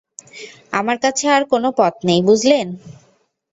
আমার কাছে আর কোনো পথ নেই, বুঝলেন?